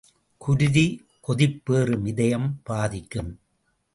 குருதி கொதிப்பேறும் இதயம் பாதிக்கும்!